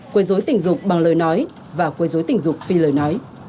quấy dối tình dục bằng lời nói và quấy dối tình dục phi lời nói